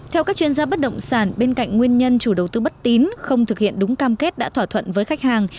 theo các chuyên gia bất động sản bên cạnh nguyên nhân chủ đầu tư bất tín không thực hiện đúng cam kết đã thỏa thuận với khách hàng